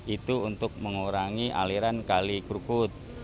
itu untuk mengurangi aliran kali krukut